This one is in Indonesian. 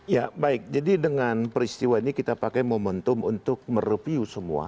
ya baik jadi dengan peristiwa ini kita pakai momentum untuk mereview semua